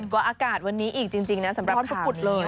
ก็อากาศวันนี้อีกจริงนะสำหรับข่าวนี้ร้อนประกุฎเลย